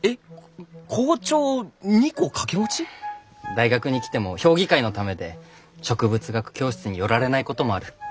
大学に来ても評議会のためで植物学教室に寄られないこともある。